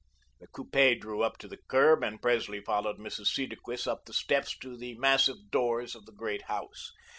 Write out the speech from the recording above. The coupe drew up to the curb, and Presley followed Mrs. Cedarquist up the steps to the massive doors of the great house.